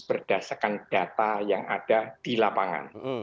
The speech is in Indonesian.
berdasarkan data yang ada di lapangan